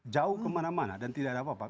jauh kemana mana dan tidak ada apa apa